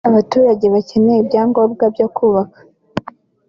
Abaturage bakeneye ibyangombwa byo kubaka